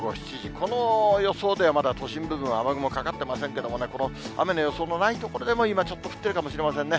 この予想では、まだ都心部分では雨雲かかってませんけれどもね、この雨の予想のない所でも、今ちょっと降っているかもしれませんね。